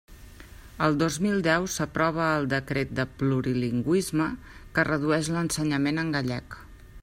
El dos mil deu s'aprova el Decret de plurilingüisme, que redueix l'ensenyament en gallec.